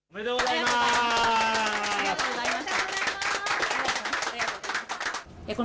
ありがとうございます。